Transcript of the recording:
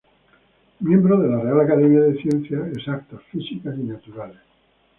Miembro de la Real Academia de Ciencias Exactas, Físicas y Naturales.